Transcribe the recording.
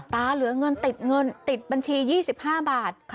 เหลือเงินติดเงินติดบัญชี๒๕บาท